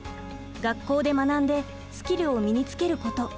学校で学んでスキルを身につけること。